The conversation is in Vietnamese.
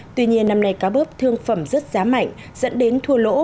tuy nhiên năm nay cá bớp thương phẩm rớt giá mạnh dẫn đến thua lỗ